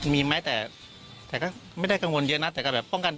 มีแม้แต่แต่ก็ไม่ได้กังวลเยอะนะแต่ก็แบบป้องกัน